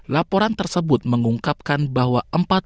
laporan tersebut mengungkapkan bahwa